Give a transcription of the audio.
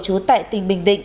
chú tại tỉnh bình định